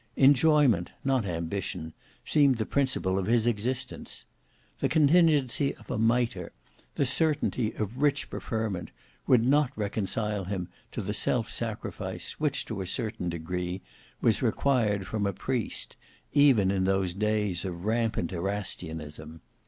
Enjoyment, not ambition, seemed the principle of his existence. The contingency of a mitre, the certainty of rich preferment, would not reconcile him to the self sacrifice which, to a certain degree, was required from a priest, even in those days of rampant Erastianism.